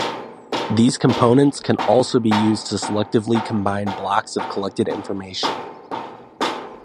These components can also be used to selectively combine blocks of collected information.